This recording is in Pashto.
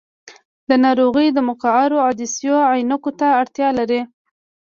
دا ناروغي د مقعرو عدسیو عینکو ته اړتیا لري.